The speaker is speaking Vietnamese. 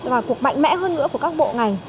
và cuộc mạnh mẽ hơn nữa của các bộ ngành